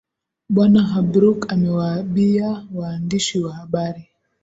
bwana hobrook amewaabia waandishi wa habari